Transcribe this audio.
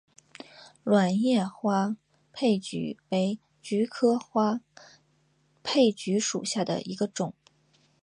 卵叶花佩菊为菊科花佩菊属下的一个种。